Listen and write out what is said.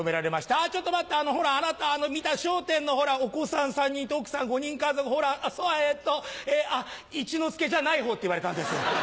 「あちょっと待ってほらあなた『笑点』のほらお子さん３人と奧さん５人家族のほらえっとあっ一之輔じゃない方」って言われたんです。